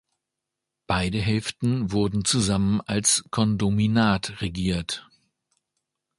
Beide Hälften wurden zusammen als Kondominat regiert.